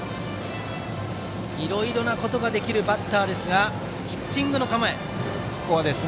いろいろなことができるバッターですがまずはヒッティングの構えです。